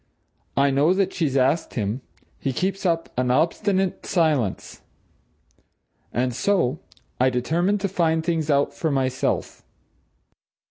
I know that she's asked him he keeps up an obstinate silence. And so I determined to find things out for myself."